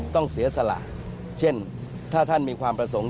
ต้องเสียสละเช่นถ้าท่านมีความประสงค์